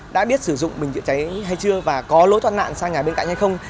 đã biết sử dụng bình chữa cháy hay chưa và có lối thoát nạn sang nhà bên cạnh hay không